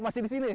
masih di sini